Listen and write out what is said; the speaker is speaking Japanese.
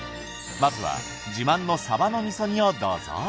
まずは自慢のさばの味噌煮をどうぞ。